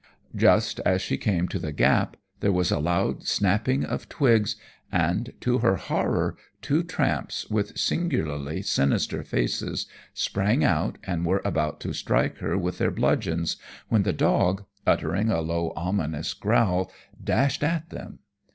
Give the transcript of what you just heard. Just as she came to the gap, there was a loud snapping of twigs, and, to her horror, two tramps, with singularly sinister faces, sprang out, and were about to strike her with their bludgeons, when the dog, uttering a low, ominous growl, dashed at them.